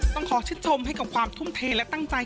ต้องขอชื่นชมให้กับความทุ่มเทและตั้งใจ